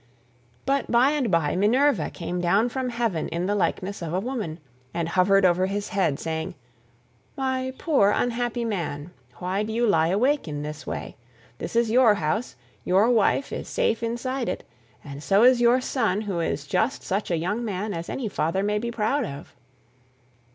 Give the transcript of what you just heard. But by and by Minerva came down from heaven in the likeness of a woman, and hovered over his head saying, "My poor unhappy man, why do you lie awake in this way? This is your house: your wife is safe inside it, and so is your son who is just such a young man as any father may be proud of."